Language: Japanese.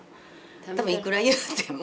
多分いくら言うても。